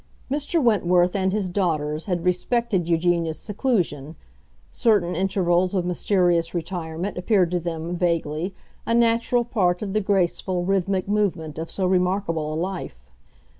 Mr. Wentworth and his daughters had respected Eugenia's seclusion; certain intervals of mysterious retirement appeared to them, vaguely, a natural part of the graceful, rhythmic movement of so remarkable a life.